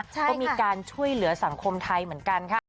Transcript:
ก็มีการช่วยเหลือสังคมไทยเหมือนกันค่ะ